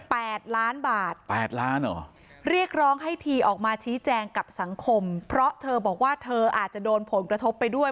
แปดล้านบาทแปดล้านเหรอเรียกร้องให้ทีออกมาชี้แจงกับสังคมเพราะเธอบอกว่าเธออาจจะโดนผลกระทบไปด้วย